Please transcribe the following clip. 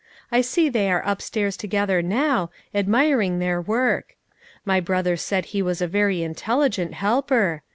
I see they are upstairs together now, ad miring their work. My brother said he was a very intelligent helper.